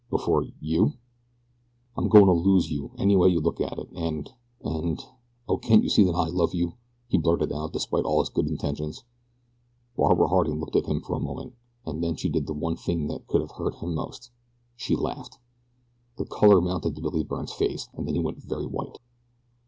"Before YOU?" "I'm going to lose you, any way you look at it, and and oh, can't you see that I love you?" he blurted out, despite all his good intentions. Barbara Harding looked at him for a moment, and then she did the one thing that could have hurt him most she laughed. The color mounted to Billy Byrne's face, and then he went very white.